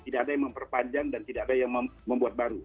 tidak ada yang memperpanjang dan tidak ada yang membuat baru